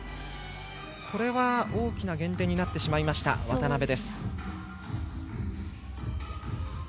これは、大きな減点になってしまった渡部。